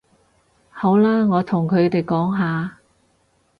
好啦，我同佢哋講吓